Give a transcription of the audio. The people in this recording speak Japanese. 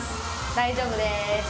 大丈夫です